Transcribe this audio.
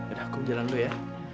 udah aku jalan dulu ya